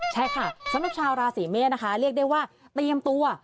ใช่ค่ะสำหรับชาวราศีเมษนะคะเรียกได้ว่าเตรียมตัว